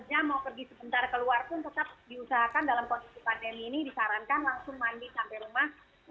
mau nggak kerja mau pergi sebentar keluar pun tetap diusahakan dalam posisi pandemi ini disarankan langsung mandi sampai rumah